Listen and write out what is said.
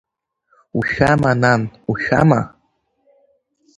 Ушәама, нан, ушәама?